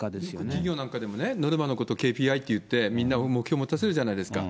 企業なんかでも、ノルマのこと、ＫＰＩと言って、みんな目標を持たせるじゃないですか。